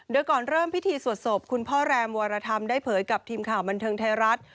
โดยก่อนเริ่มพิธีสวดศพคุณพ่อแรมวรธรรมได้เผยกับทีมข่าวบันเทิงไทยรัฐ